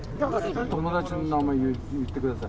友達の名前を言ってください。